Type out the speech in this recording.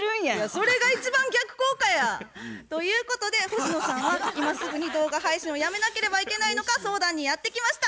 それが一番逆効果や！ということで星野さんは今すぐに動画配信をやめなければいけないのか相談にやって来ました。